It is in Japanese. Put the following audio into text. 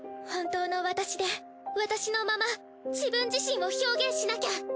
本当の私で私のまま自分自身を表現しなきゃ。